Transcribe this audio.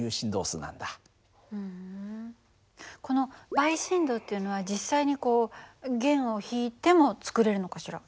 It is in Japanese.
ふんこの倍振動っていうのは実際にこう弦を弾いても作れるのかしら？